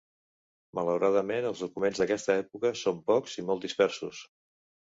Malauradament, els documents d'aquesta època són pocs i molt dispersos.